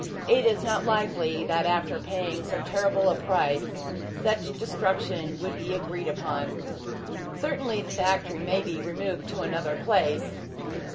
It is not likely that after paying so terrible a price, such destruction would be agreed upon. Certainly the factory may be removed to another place.